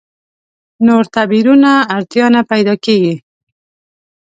نور تعبیرونو اړتیا نه پیدا کېږي.